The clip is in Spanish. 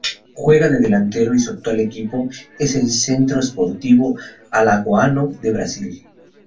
Juega de delantero y su actual equipo es el Centro Sportivo Alagoano de Brasil.